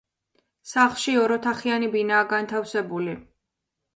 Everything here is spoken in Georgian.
სახლში ოროთახიანი ბინაა განთავსებული.